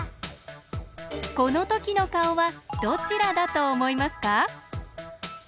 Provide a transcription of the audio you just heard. このときのかおはどちらだとおもいますか？